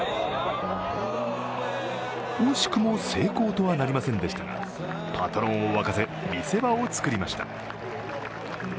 惜しくも成功とはなりませんでしたがパトロンを沸かせ見せ場を作りました。